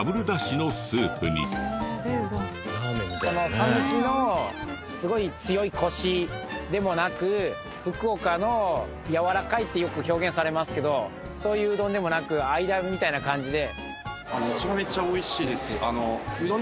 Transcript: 讃岐のすごい強いコシでもなく福岡のやわらかいってよく表現されますけどそういううどんでもなく間みたいな感じで。